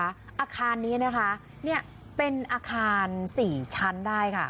อาคารนี้นะคะเป็นอาคาร๔ชั้นได้ค่ะ